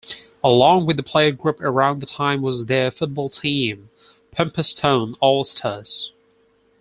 Along with the play group around that time was their football team Pumpherston All-Stars.